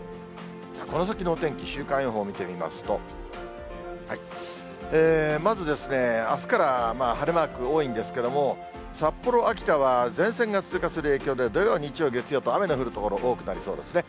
この先のお天気、週間予報を見てみますと、まずあすから晴れマーク多いんですけども、札幌、秋田は前線が通過する影響で、土曜、日曜、月曜と、雨の降る所多くなりそうですね。